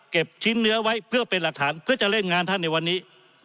ชิ้นเนื้อไว้เพื่อเป็นหลักฐานเพื่อจะเล่นงานท่านในวันนี้